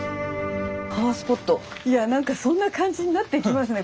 いや何かそんな感じになっていきますね